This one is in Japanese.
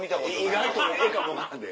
意外とええかも分からんで。